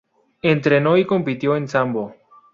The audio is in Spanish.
Entrenó y compitió en Sambo.